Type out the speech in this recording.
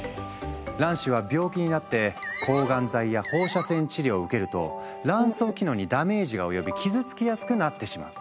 卵子は病気になって抗がん剤や放射線治療を受けると卵巣機能にダメージが及び傷つきやすくなってしまう。